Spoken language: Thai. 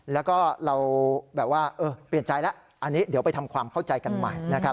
แล้วก็เราแบบว่าเปลี่ยนใจแล้วอันนี้เดี๋ยวไปทำความเข้าใจกันใหม่นะครับ